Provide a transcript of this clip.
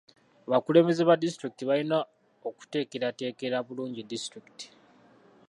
Abakulembeze ba disitulikiti balina okuteekerateekera bulungi disitulikiti.